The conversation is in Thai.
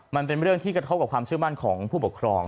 มันเป็นเรื่องที่กระทบกับความเชื่อมั่นของผู้ปกครอง